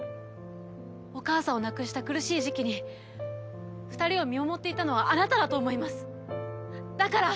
お母さんを亡くした苦しい時期に２人を見守っていたのはあなただと思いますだから。